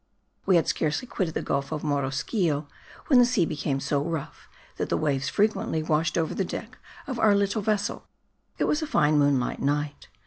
We had scarcely quitted the gulf of Morosquillo when the sea became so rough that the waves frequently washed over the deck of our little vessel. It was a fine moonlight night.